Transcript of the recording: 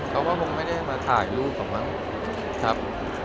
เพราะว่าผมไม่ได้มาถ่ายรูปผมบ้างครับ